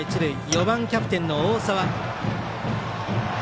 ４番キャプテンの大澤。